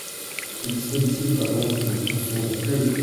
Ce dispositif a donc une fonction vertueuse.